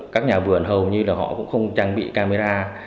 các nhà vườn hầu như là họ cũng không trang bị camera